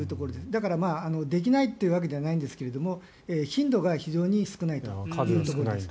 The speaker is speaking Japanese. だから、できないというわけではないんですが頻度が非常に少ないというところです。